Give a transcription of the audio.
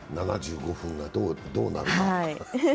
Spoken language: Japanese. ７５分がどうなるか。